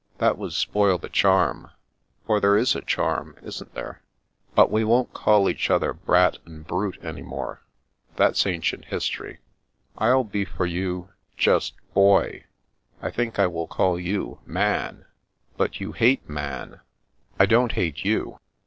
" That would spoil the charm: for there is a charm, isn't there? But we won't call each other Brat and Brute any more. That's ancient history. I'll be for you — just Boy. I tl\ink I will call you Man." " But you hate Man." " I don't hate you.